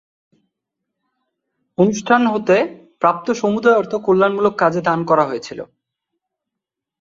অনুষ্ঠান হতে প্রাপ্ত সমুদয় অর্থ কল্যাণমূলক কাজে দান করা হয়েছিল।